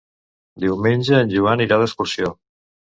Diumenge en Joan irà d'excursió.